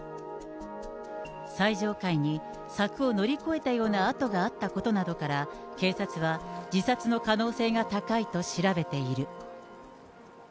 最上階に柵を乗り越えたような跡があったことなどから、警察は自殺の可能性が高いと調べている。